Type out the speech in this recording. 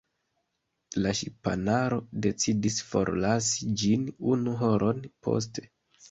La ŝipanaro decidis forlasi ĝin unu horon poste.